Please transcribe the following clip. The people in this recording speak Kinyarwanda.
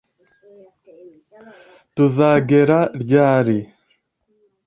tuzagera ryari